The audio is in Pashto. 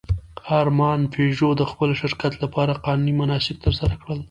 ارمان پيژو د خپل شرکت لپاره قانوني مناسک ترسره کړل.